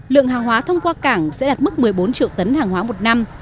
lượng hàng hóa thông qua cảng sẽ đạt mức một mươi bốn triệu tấn hàng hóa một năm